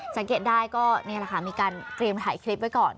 สังเกตได้ก็นี่แหละค่ะมีการเตรียมถ่ายคลิปไว้ก่อน